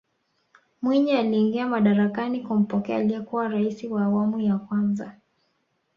mwinyi aliingia madarakani kumpokea aliyekuwa raisi wa awamu ya kwanza